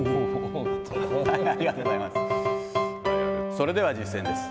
それでは実践です。